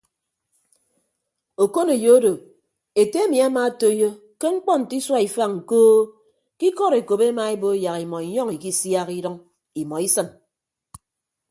Okoneyo odo ete emi amaatoiyo ke mkpọ nte isua ifañ koo ke ikọd ekop emaebo yak imọ inyọñ ikisiak idʌñ imọ isịn.